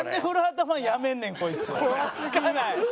つかない。